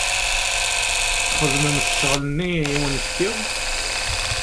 Txedmem ccɣel-nni i awen-fkiɣ?